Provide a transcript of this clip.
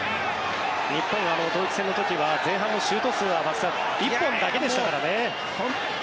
日本はドイツ戦の時は前半のシュート数は松木さん１本だけでしたからね。